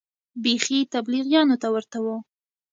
بيخي تبليغيانو ته ورته و.